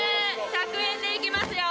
１００円でいきますよ。